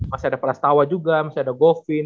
masih ada perastawa juga masih ada goffin